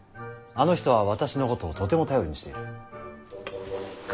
あの人は私のことをとても頼りにしている。